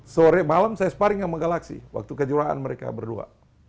sore malam saya sparring sama galaksi waktu kejuaraan mereka berdua